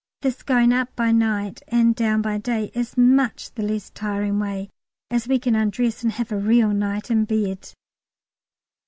This going up by night and down by day is much the least tiring way, as we can undress and have a real night in bed.